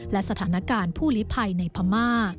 และสถานการณ์ผู้ลิภัยในพม่า